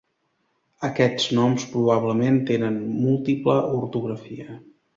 Aquests noms probablement tenen múltiple ortografia.